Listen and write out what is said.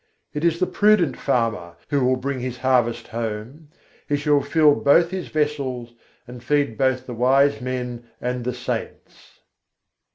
It is the prudent farmer who will bring his harvest home; he shall fill both his vessels, and feed both the wise men and the saints.